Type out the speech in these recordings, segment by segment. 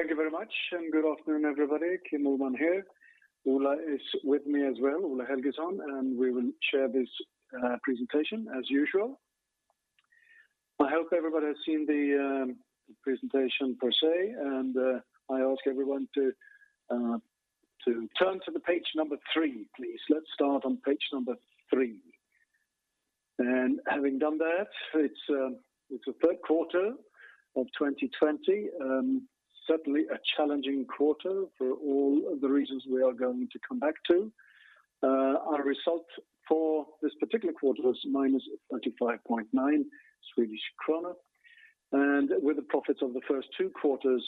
Thank you very much and good afternoon, everybody. Kim Ullman here. Ola is with me as well, Ola Helgesson, and we will share this presentation as usual. I hope everybody has seen the presentation per se, and I ask everyone to turn to the page number three, please. Let's start on page number three. Having done that, it's the third quarter of 2020. Certainly a challenging quarter for all the reasons we are going to come back to. Our result for this particular quarter was -35.9 Swedish krona, and with the profits of the first two quarters,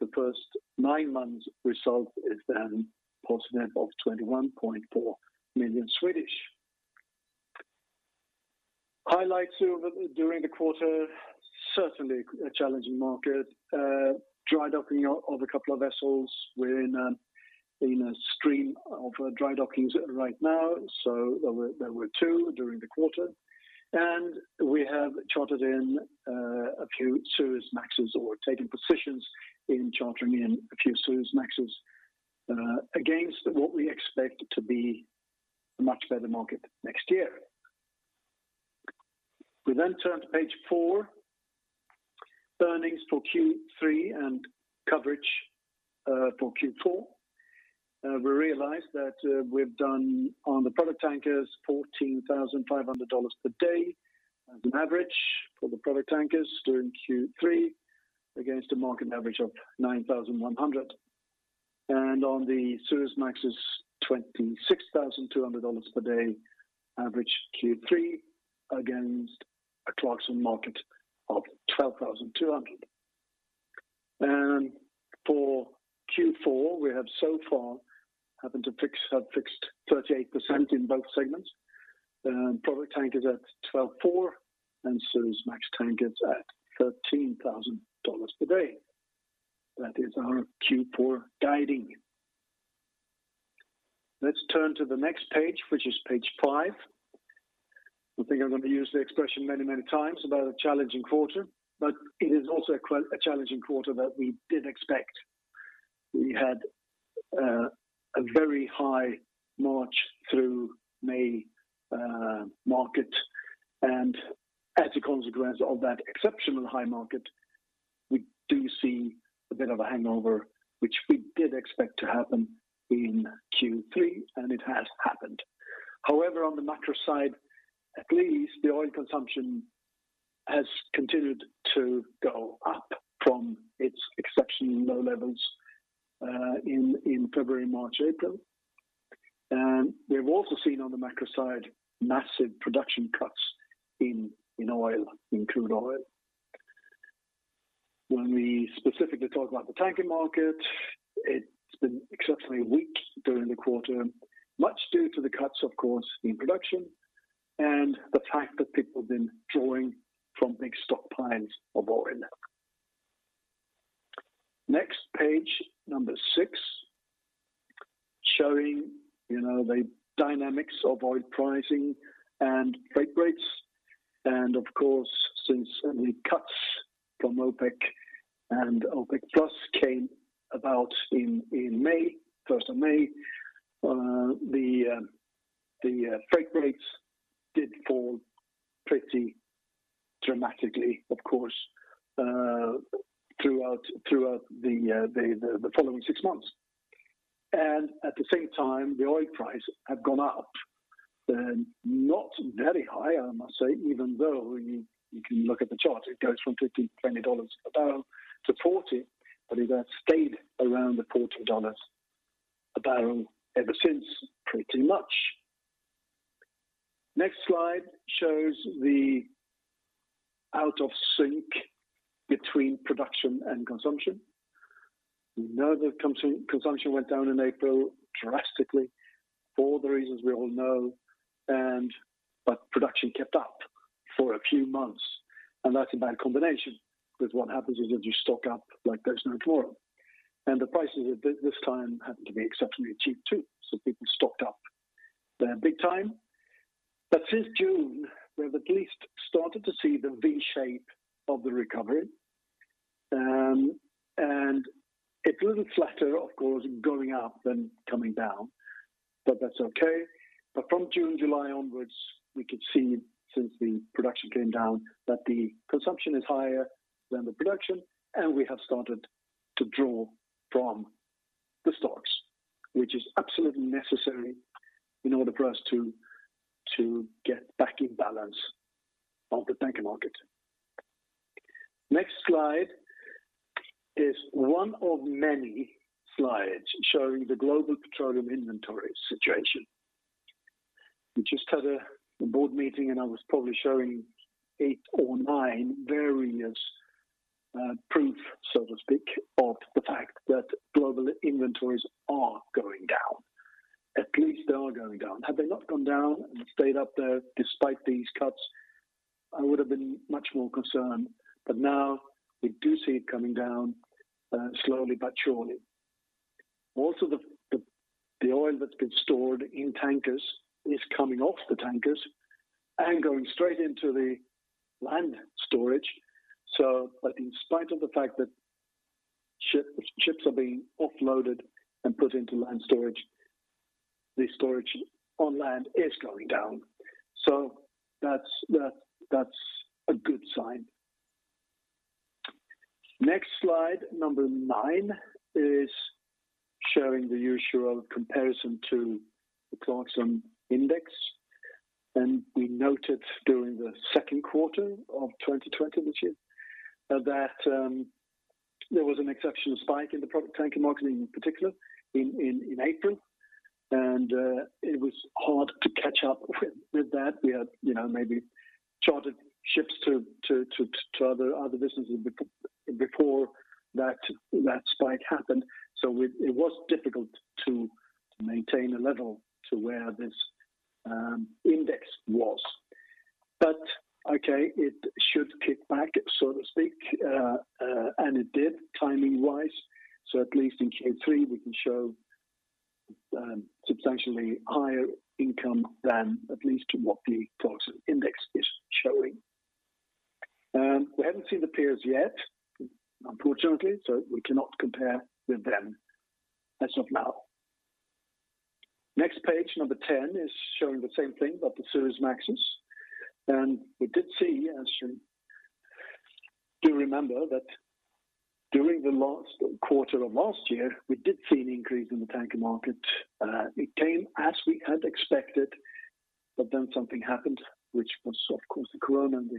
the first nine months result is then positive of 21.4 million SEK. Highlights during the quarter, certainly a challenging market, drydocking of a couple of vessels. We're in a stream of drydockings right now. There were two during the quarter, and we have chartered in a few Suezmaxes or taken positions in chartering in a few Suezmaxes against what we expect to be a much better market next year. We turn to page four, earnings for Q3 and coverage for Q4. We realize that we've done on the product tankers SEK 14,500 per day as an average for the product tankers during Q3 against a market average of 9,100. On the Suezmaxes SEK 26,200 per day average Q3 against a Clarksons market of 12,200. For Q4, we have so far happened to have fixed 38% in both segments. Product tankers at 12,400 and Suezmax tankers at SEK 13,000 per day. That is our Q4 guiding. Let's turn to the next page, which is page five. I think I'm going to use the expression many times about a challenging quarter. It is also a challenging quarter that we did expect. We had a very high March through May market. As a consequence of that exceptional high market, we do see a bit of a hangover, which we did expect to happen in Q3. It has happened. On the macro side, at least the oil consumption has continued to go up from its exceptionally low levels in February, March, April. We've also seen on the macro side massive production cuts in crude oil. When we specifically talk about the tanker market, it's been exceptionally weak during the quarter, much due to the cuts, of course, in production and the fact that people have been drawing from big stockpiles of oil. Next, page number six, showing the dynamics of oil pricing and freight rates. Of course, since the cuts from OPEC and OPEC+ came about in 1st of May, the freight rates did fall pretty dramatically, of course, throughout the following six months. At the same time, the oil price had gone up. Not very high, I must say, even though you can look at the chart, it goes from $15, $20 a barrel to $40, it has stayed around the $40 a barrel ever since, pretty much. Next slide shows the out of sync between production and consumption. We know that consumption went down in April drastically for the reasons we all know, production kept up for a few months, that's a bad combination because what happens is you stock up like there's no tomorrow. The prices at this time happened to be exceptionally cheap too. People stocked up big time. Since June, we've at least started to see the V shape of the recovery, and it's a little flatter, of course, going up than coming down, but that's okay. From June, July onwards, we could see since the production came down, that the consumption is higher than the production, and we have started to draw from the stocks, which is absolutely necessary in order for us to get back in balance of the tanker market. Next slide is one of many slides showing the global petroleum inventory situation. We just had a board meeting, and I was probably showing eight or nine various proof, so to speak, of the fact that global inventories are going down. At least they are going down. Had they not gone down and stayed up there despite these cuts, I would have been much more concerned. Now we do see it coming down slowly but surely. Most of the oil that's been stored in tankers is coming off the tankers and going straight into the land storage. In spite of the fact that ships are being offloaded and put into land storage, the storage on land is going down. That's a good sign. Next slide, number 9, is showing the usual comparison to the ClarkSea Index. We noted during the second quarter of 2020 this year, that there was an exceptional spike in the product tanker market, in particular in April, and it was hard to catch up with that. We had maybe chartered ships to other businesses before that spike happened. It was difficult to maintain a level to where this index was. Okay, it should kick back, so to speak. It did, timing wise, so at least in Q3, we can show substantially higher income than at least what the ClarkSea Index is showing. We haven't seen the peers yet, unfortunately, so we cannot compare with them as of now. Next page, number 10, is showing the same thing, but the Suezmaxes. We did see, as you do remember, that during the last quarter of last year, we did see an increase in the tanker market. It came as we had expected, but then something happened, which was of course the corona and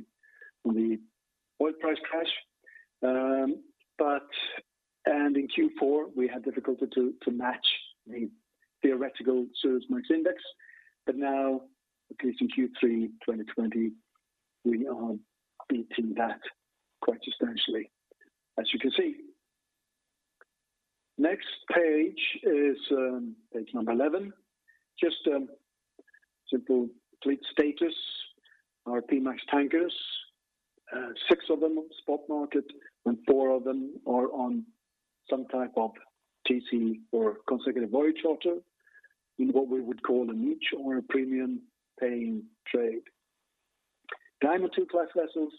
the oil price crash. In Q4, we had difficulty to match the theoretical Suezmax index. Now, at least in Q3 2020, we are beating that quite substantially, as you can see. Next page is page number 11, just a simple fleet status. Our P-MAX tankers, six of them spot market, four of them are on some type of TC or consecutive voyage charter in what we would call a niche or a premium paying trade. Diamond II class vessels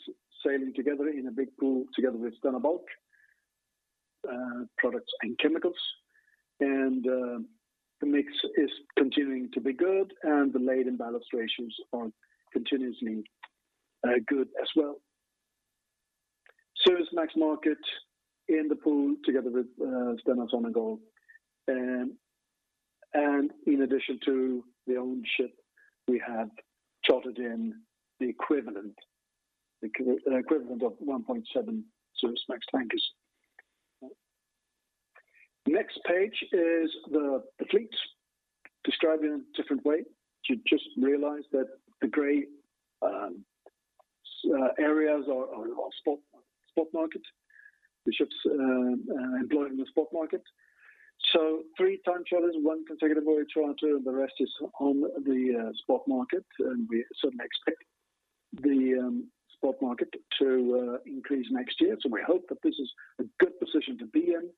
sailing together in a big pool together with Stena Bulk products and chemicals. The mix is continuing to be good, and the laden and ballast ratios are continuously good as well. Suezmax market in the pool together with Stena Sonangol. In addition to the owned ship, we had chartered in the equivalent of 1.7 Suezmax tankers. Next page is the fleet described in a different way to just realize that the gray areas are spot market, the ships employed in the spot market. Three time charters, one consecutive voyage charter, and the rest is on the spot market. We certainly expect the spot market to increase next year. We hope that this is a good position to be in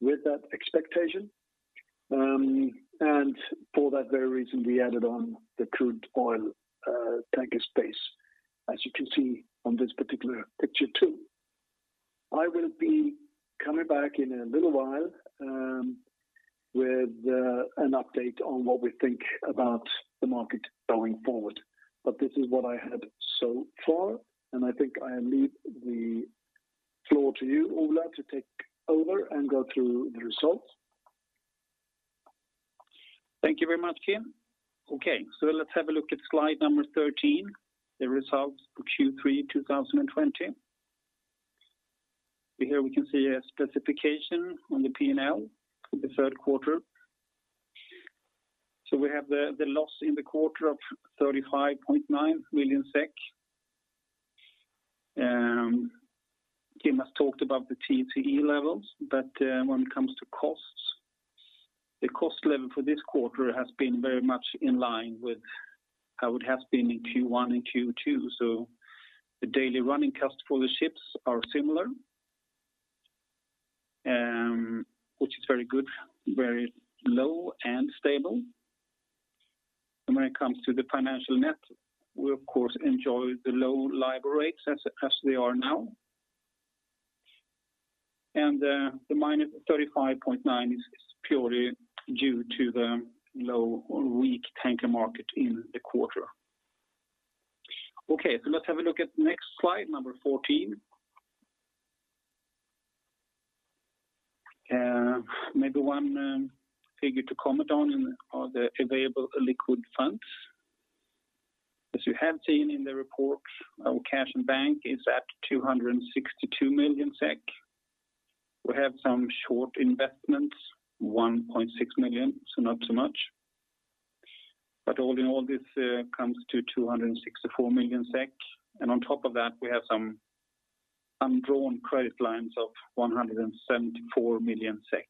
with that expectation. For that very reason, we added on the crude oil tanker space, as you can see on this particular picture, too. I will be coming back in a little while with an update on what we think about the market going forward. This is what I had so far, and I think I leave the floor to you, Ola, to take over and go through the results. Thank you very much, Kim. Let's have a look at slide number 13, the results for Q3 2020. Here we can see a specification on the P&L for the third quarter. We have the loss in the quarter of 35.9 million SEK. Kim has talked about the TCE levels, but when it comes to costs, the cost level for this quarter has been very much in line with how it has been in Q1 and Q2. The daily running costs for the ships are similar, which is very good, very low and stable. When it comes to the financial net, we of course enjoy the low LIBOR rates as they are now. The -35.9 is purely due to the low or weak tanker market in the quarter. Let's have a look at next slide, number 14. Maybe one figure to comment on are the available liquid funds. As you have seen in the report, our cash in bank is at 262 million SEK. We have some short investments, 1.6 million, not so much. All in all, this comes to 264 million SEK. On top of that, we have some undrawn credit lines of 174 million SEK,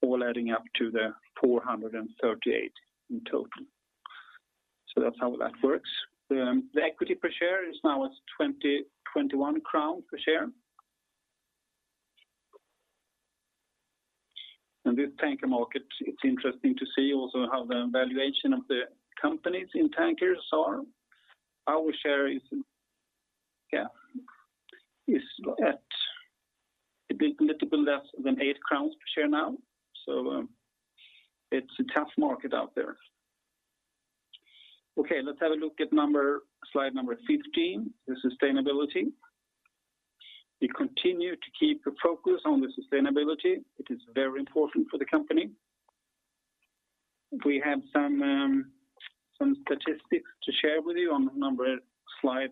all adding up to the 438 in total. That's how that works. The equity per share is now at 20.21 crown per share. This tanker market, it's interesting to see also how the valuation of the companies in tankers are. Our share is at a little bit less than 8 crowns per share now, it's a tough market out there. Let's have a look at slide 15, the sustainability. We continue to keep a focus on the sustainability. It is very important for the company. We have some statistics to share with you on slide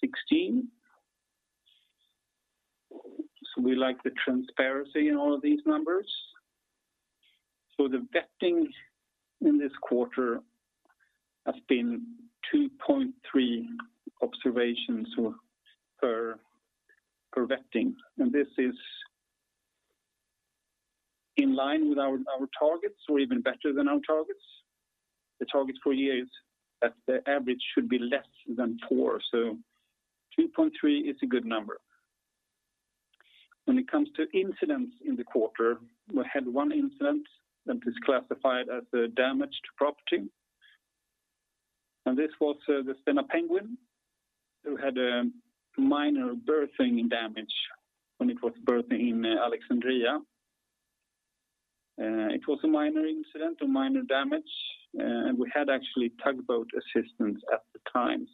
16. We like the transparency in all of these numbers. The vetting in this quarter has been 2.3 observations per vetting. This is in line with our targets or even better than our targets. The target for year is that the average should be less than four. 2.3 is a good number. When it comes to incidents in the quarter, we had one incident that is classified as a damage to property. This was the Stena Penguin who had a minor berthing damage when it was berthing in Alexandria. It was a minor incident, a minor damage. We had actually tugboat assistance at the time.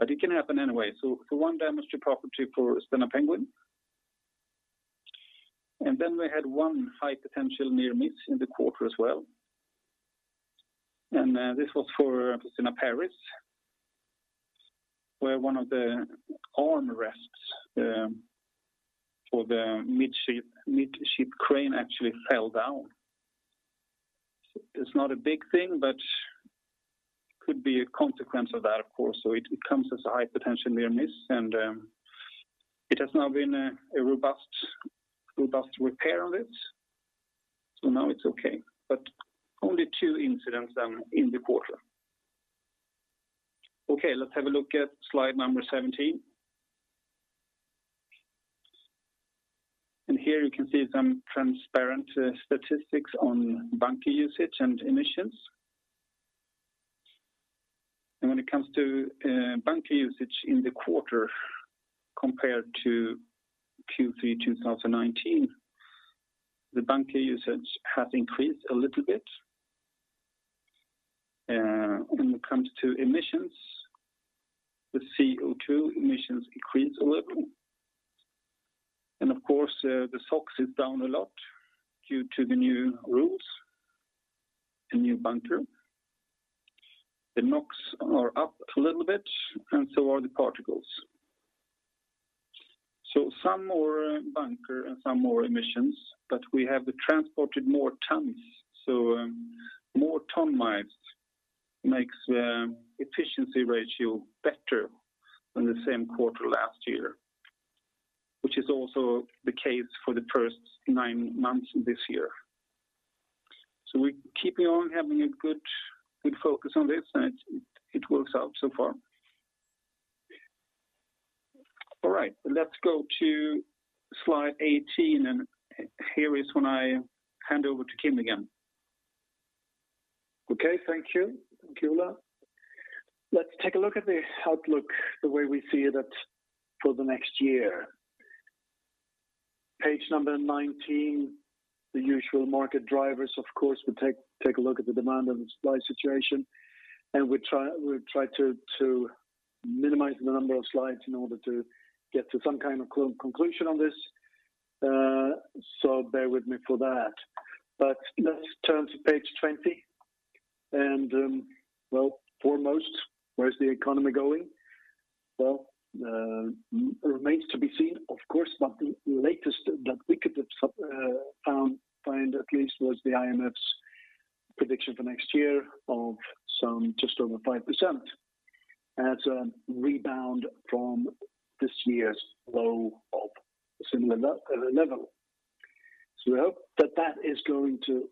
It can happen anyway. One damage to property for Stena Penguin. Then we had one high potential near miss in the quarter as well. This was for Stena Paris, where one of the armrests for the mid-ship crane actually fell down. It's not a big thing, but could be a consequence of that, of course, so it comes as a high potential near miss and it has now been a robust repair on it, so now it's okay. Only two incidents in the quarter. Okay, let's have a look at slide number 17. Here you can see some transparent statistics on bunker usage and emissions. When it comes to bunker usage in the quarter compared to Q3 2019, the bunker usage has increased a little bit. When it comes to emissions, the CO2 emissions increased a little. Of course, the SOX is down a lot due to the new rules and new bunker. The NOx are up a little bit and so are the particles. Some more bunker and some more emissions, but we have transported more tons. More ton-miles makes the efficiency ratio better than the same quarter last year, which is also the case for the first nine months this year. We're keeping on having a good focus on this, and it works out so far. All right. Let's go to slide 18, and here is when I hand over to Kim again. Okay. Thank you, Ola. Let's take a look at the outlook the way we see it for the next year. Page number 19, the usual market drivers, of course, we take a look at the demand and the supply situation, and we try to minimize the number of slides in order to get to some kind of conclusion on this. Bear with me for that. Let's turn to page 20 and, well, foremost, where's the economy going? Well, remains to be seen, of course, but the latest that we could find at least was the IMF's prediction for next year of just over 5%. That's a rebound from this year's low of a similar level. We hope that that is going to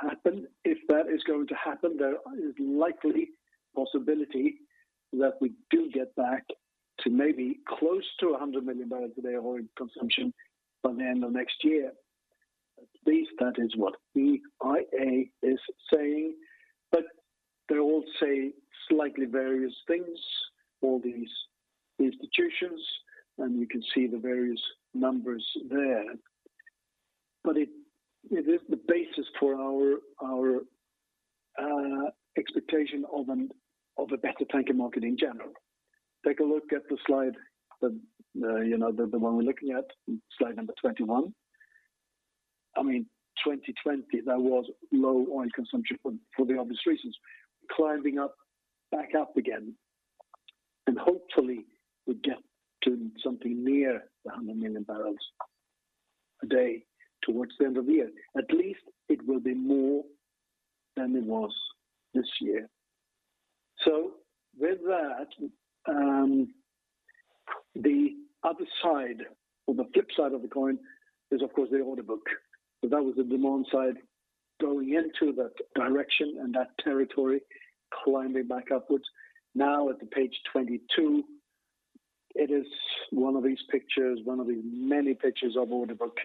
happen. If that is going to happen, there is likely possibility that we do get back to maybe close to 100 million barrels a day of oil consumption by the end of next year. At least that is what EIA is saying. They all say slightly various things, all these institutions, and you can see the various numbers there. It is the basis for our expectation of a better tanker market in general. Take a look at the slide, the one we're looking at, slide number 21. 2020, there was low oil consumption for the obvious reasons. Climbing back up again and hopefully we get to something near the 100 million barrels a day towards the end of the year. At least it will be more than it was this year. With that, the other side or the flip side of the coin is, of course, the order book. That was the demand side going into that direction and that territory climbing back upwards. At page 22, it is one of these pictures, one of the many pictures of order book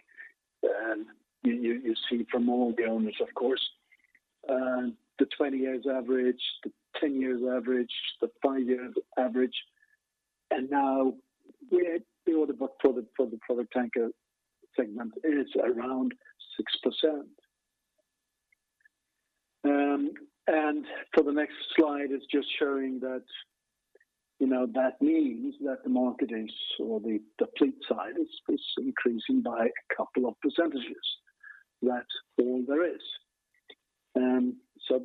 you see from all the owners, of course. The 20 years average, the 10 years average, the five years average, and now the order book for the product tanker segment is around 6%. For the next slide, it's just showing that means that the market or the fleet side is increasing by a couple of percentages. That's all there is.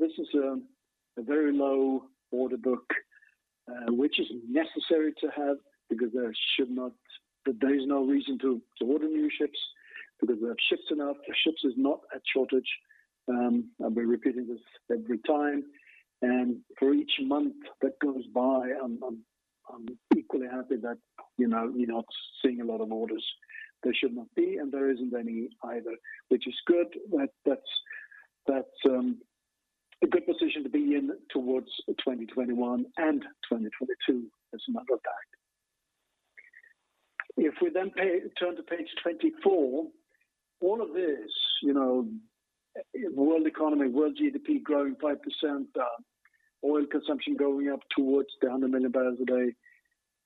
This is a very low order book, which is necessary to have because there is no reason to order new ships because we have ships enough. The ships is not at shortage. I've been repeating this every time. For each month that goes by, I'm equally happy that we're not seeing a lot of orders. There should not be, and there isn't any either, which is good. That's a good position to be in towards 2021 and 2022 as a matter of fact. If we then turn to page 24, all of this, world economy, world GDP growing 5%, oil consumption going up towards the 100 million barrels a day.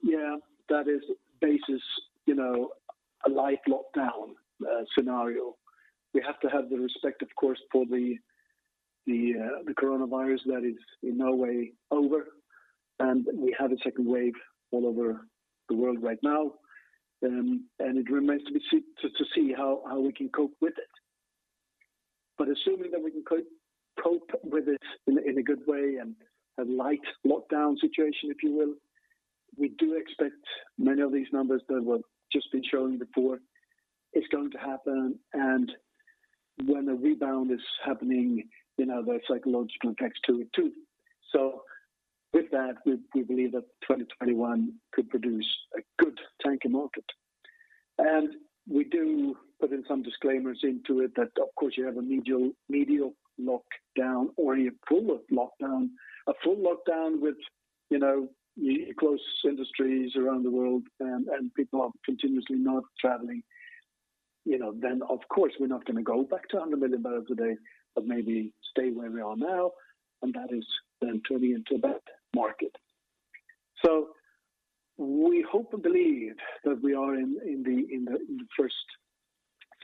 Yeah, that is basis, a light lockdown scenario. We have to have the respect, of course, for the coronavirus that is in no way over, and we have a second wave all over the world right now, and it remains to be seen how we can cope with it. Assuming that we can cope with it in a good way and a light lockdown situation, if you will, we do expect many of these numbers that we've just been showing before, it's going to happen, and when a rebound is happening, there are psychological effects to it, too. With that, we believe that 2021 could produce a good tanker market. We do put in some disclaimers into it that, of course, you have a medium lockdown or a full lockdown. A full lockdown with close industries around the world and people are continuously not traveling, then of course, we're not going to go back to 100 million barrels a day, but maybe stay where we are now, and that is then turning into that market. We hope and believe that we are in the first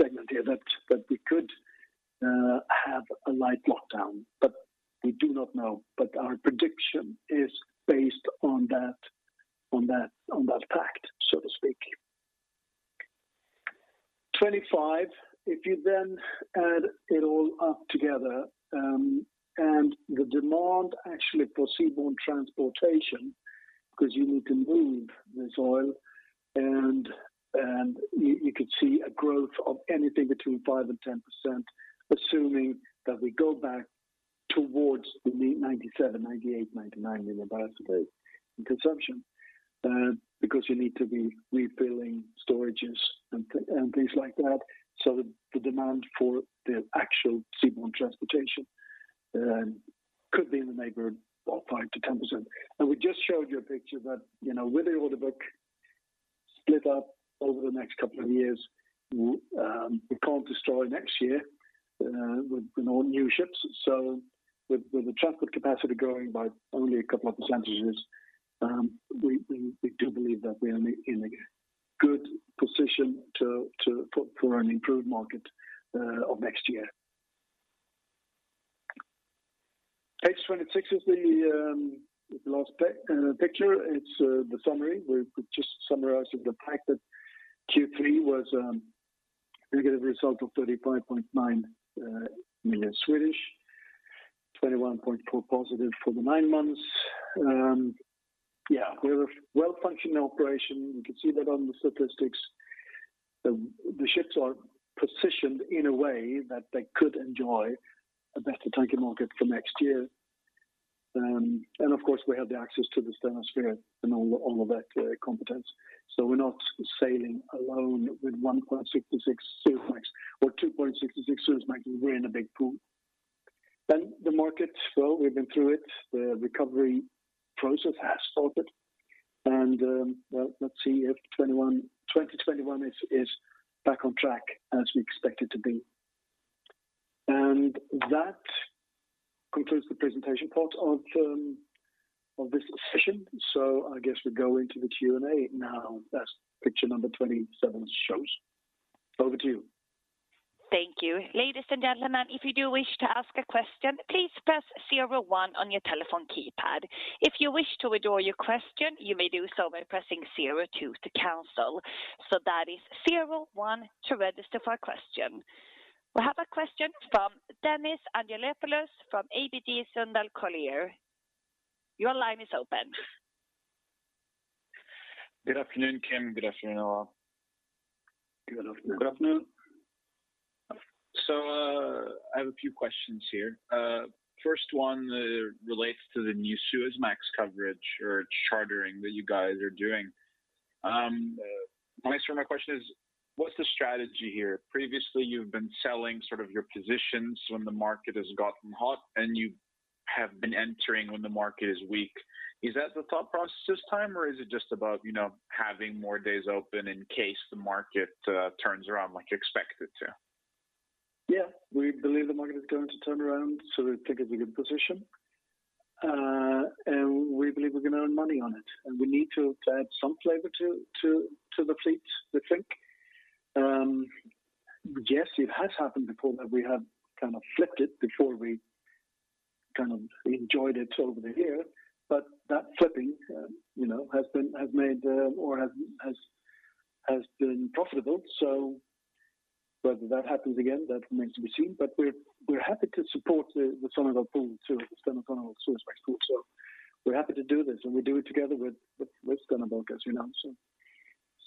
segment here, that we could have a light lockdown, but we do not know. Our prediction is based on that fact, so to speak. 25, if you then add it all up together, and the demand actually for seaborne transportation, because you need to move this oil, and you could see a growth of anything between 5% and 10%, assuming that we go back towards the 97, 98, 99 million barrels a day in consumption, because you need to be refilling storages and things like that. The demand for the actual seaborne transportation could be in the neighborhood of 5%-10%. We just showed you a picture that with the order book split up over the next couple of years, we can't destroy next year with no new ships. With the transport capacity growing by only a couple of percentages, we do believe that we are in a good position for an improved market of next year. Page 26 is the last picture. It's the summary. We're just summarizing the fact that Q3 was a negative result of 35.9 million, 21.4 million positive for the nine months. We're a well-functioning operation. You can see that on the statistics. The ships are positioned in a way that they could enjoy a better tanker market for next year. Of course, we have the access to the Stena Sphere and all of that competence. We're not sailing alone with 1.66 Suezmax or 2.66 Suezmax. We're in a big group. The market, well, we've been through it. The recovery process has started, and let's see if 2021 is back on track as we expect it to be. That concludes the presentation part of this session. I guess we go into the Q&A now, as picture number 27 shows. Over to you. Thank you. Ladies and gentlemen, if you do wish to ask a question, please press zero one on your telephone keypad. If you wish to withdraw your question, you may do so by pressing zero two to cancel. That is zero one to register for a question. We have a question from Dennis Anghelopoulos from ABG Sundal Collier. Your line is open Good afternoon, Kim. Good afternoon, Ola. Good afternoon. Good afternoon. I have a few questions here. First one relates to the new Suezmax coverage or chartering that you guys are doing. My question is, what's the strategy here? Previously, you've been selling sort of your positions when the market has gotten hot and you have been entering when the market is weak. Is that the thought process this time, or is it just about having more days open in case the market turns around like you expect it to? Yeah. We believe the market is going to turn around, so we think it's a good position. We believe we're going to earn money on it. We need to add some flavor to the fleet, we think. Yes, it has happened before that we have kind of flipped it before we kind of enjoyed it over the year, but that flipping has been profitable. Whether that happens again, that remains to be seen. We're happy to support the Stena Bulk Pool, too, the Stena Suezmax Pool. We're happy to do this, and we do it together with Stena Bulk, as you know.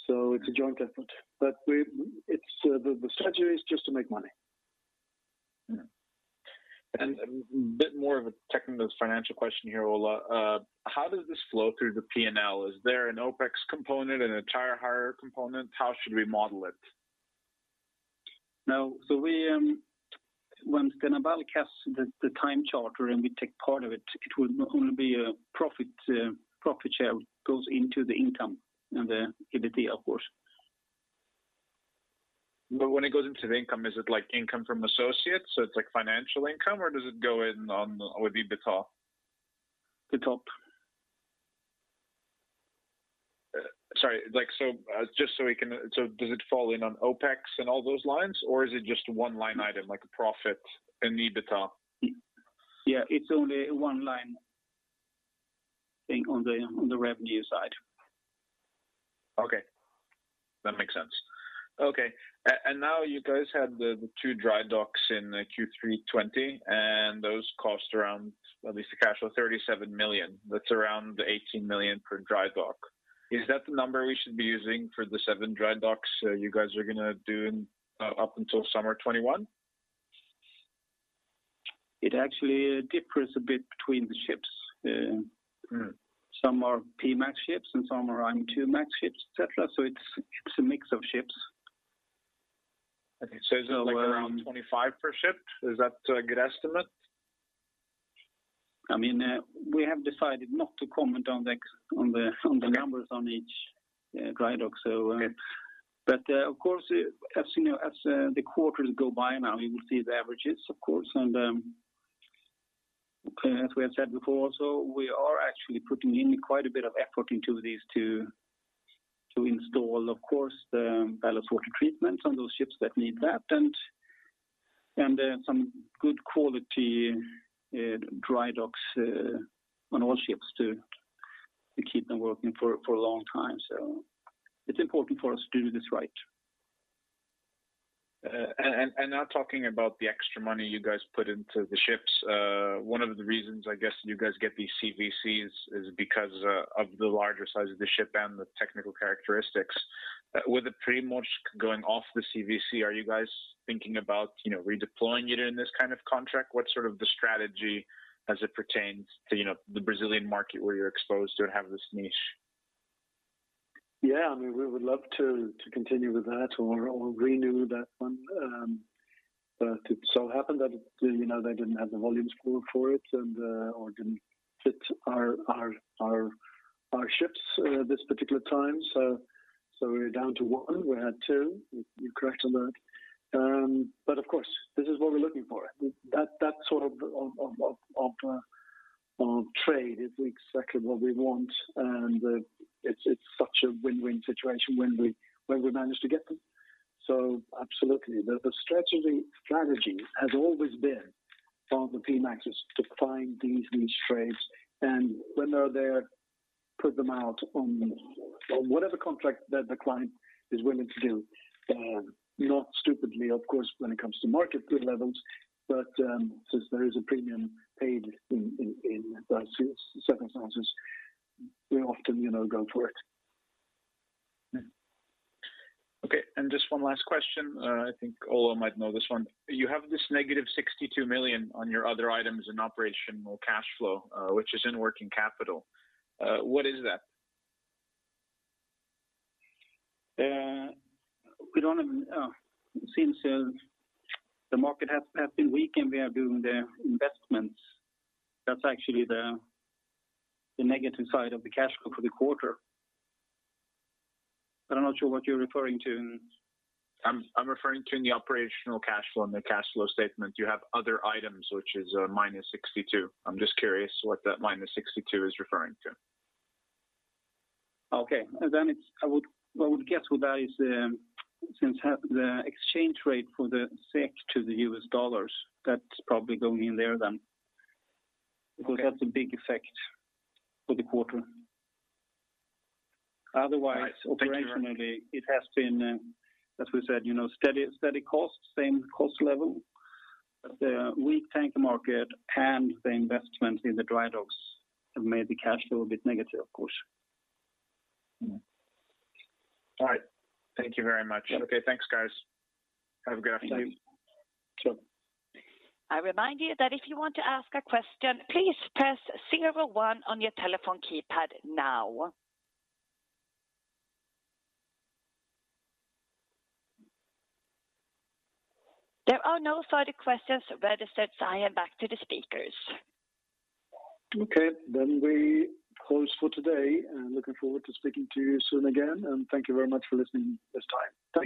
It's a joint effort, but the strategy is just to make money. Yeah. A bit more of a technical financial question here, Ola. How does this flow through the P&L? Is there an OpEx component, an entire hire component? How should we model it? No. When Stena Bulk has the time charter and we take part of it will only be a profit share goes into the income and the EBITDA, of course. When it goes into the income, is it income from associates, so it is financial income, or does it go in on, would it be EBITDA? EBITDA. Sorry. Does it fall in on OpEx and all those lines, or is it just one line item, like a profit in EBITDA? Yeah, it's only one line thing on the revenue side. Okay. That makes sense. Okay. Now you guys had the two dry docks in Q3 2020, those cost around at least a cash flow 37 million. That's around 18 million per dry dock. Is that the number we should be using for the seven dry docks you guys are going to do up until summer 2021? It actually differs a bit between the ships. Right. Some are P-MAX ships and some are IMOIIMAX ships, et cetera. It's a mix of ships. Okay. Is it around 25 per ship? Is that a good estimate? We have decided not to comment on the numbers on each dry dock. Okay. Of course, as the quarters go by now, you will see the averages, of course. As we have said before, also, we are actually putting in quite a bit of effort into these to install, of course, the ballast water treatment on those ships that need that and some good quality dry docks on all ships to keep them working for a long time. It's important for us to do this right. Now talking about the extra money you guys put into the ships, one of the reasons, I guess, you guys get these CVCs is because of the larger size of the ship and the technical characteristics. With it pretty much going off the CVC, are you guys thinking about redeploying it in this kind of contract? What's sort of the strategy as it pertains to the Brazilian market where you're exposed to and have this niche? Yeah, we would love to continue with that or renew that one. It so happened that they didn't have the volumes for it or didn't fit our ships this particular time. We're down to one. We had two. You're correct on that. Of course, this is what we're looking for. That sort of trade is exactly what we want, and it's such a win-win situation when we manage to get them. Absolutely. The strategy has always been on the P-MAXes is to find these niche trades, and when they're there, put them out on whatever contract that the client is willing to do. Not stupidly, of course, when it comes to market good levels. Since there is a premium paid in those circumstances, we often go for it. Okay, just one last question. I think Ola might know this one. You have this negative 62 million on your other items in operational cash flow, which is in working capital. What is that? Since the market has been weak and we are doing the investments, that's actually the negative side of the cash flow for the quarter. I'm not sure what you're referring to. I'm referring to in the operational cash flow and the cash flow statement. You have other items, which is a minus 62. I'm just curious what that minus 62 is referring to. Okay. What I would guess with that is since the exchange rate for the SEK to the US dollars, that's probably going in there then, because it has a big effect for the quarter. Right. Thank you very much. Otherwise, operationally, it has been, as we said, steady costs, same cost level. The weak tanker market and the investment in the dry docks have made the cash flow a bit negative, of course. All right. Thank you very much. Yeah. Okay, thanks, guys. Have a good afternoon. Thank you. Sure. I remind you that if you want to ask a question, please press zero one on your telephone keypad now. There are no further questions registered, so I am back to the speakers. Okay, we close for today, and looking forward to speaking to you soon again, and thank you very much for listening this time.